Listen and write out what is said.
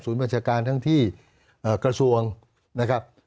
บัญชาการทั้งที่กระทรวงนะครับ